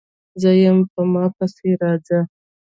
_زه يم، په ما پسې راځه!